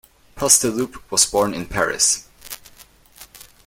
Pasdeloup was born in Paris.